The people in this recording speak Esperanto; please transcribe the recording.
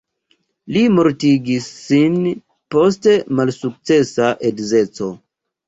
Li mortigis sin post malsukcesa edzeco.